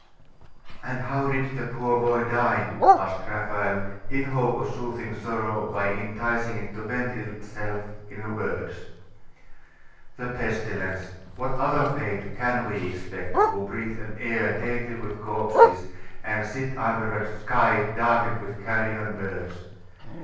'And how did the poor boy die?' asked Raphael, in hope of soothing sorrow by enticing it to vent itself in words. 'The pestilence. What other fate can we expect, who breathe an air tainted with corpses, and sit under a sky darkened with carrion birds?